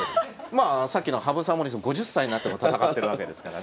まあさっきの羽生さん森内さんも５０歳になっても戦ってるわけですからね。